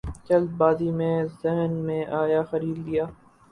جلد بازی میں ذہن میں آیا خرید لیا